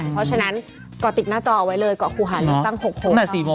เพราะฉะนั้นก็ติดหน้าจอเอาไว้เลยก็คู่หาเรื่องตั้ง๖โถ่